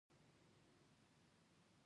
آیا طبیعي درملنه په ایران کې دود نه ده؟